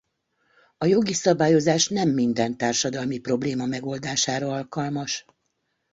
A jogi szabályozás nem minden társadalmi probléma megoldására alkalmas.